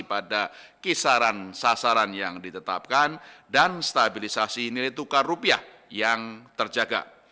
pada kisaran sasaran yang ditetapkan dan stabilisasi nilai tukar rupiah yang terjaga